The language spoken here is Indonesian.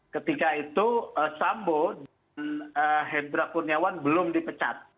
ketika itu sambu dan hendra kuniawan belum dipecat